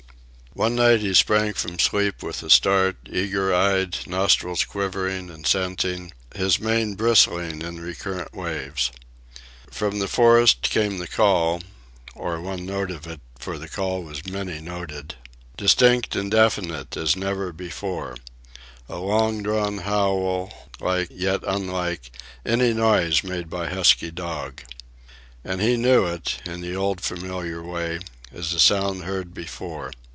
One night he sprang from sleep with a start, eager eyed, nostrils quivering and scenting, his mane bristling in recurrent waves. From the forest came the call (or one note of it, for the call was many noted), distinct and definite as never before,—a long drawn howl, like, yet unlike, any noise made by husky dog. And he knew it, in the old familiar way, as a sound heard before.